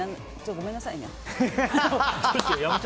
ごめんなさいね。